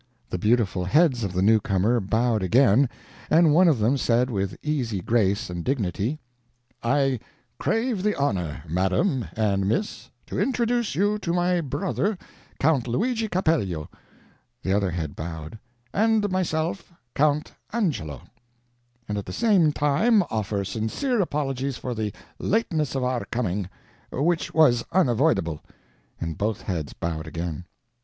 The beautiful heads of the new comer bowed again, and one of them said with easy grace and dignity: "I crave the honor, madam and miss, to introduce to you my brother, Count Luigi Capello," (the other head bowed) "and myself Count Angelo; and at the same time offer sincere apologies for the lateness of our coming, which was unavoidable," and both heads bowed again.